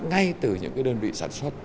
ngay từ những cái đơn vị sản xuất